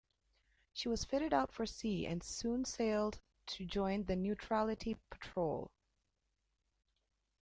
She was fitted out for sea and soon sailed to join the Neutrality Patrol.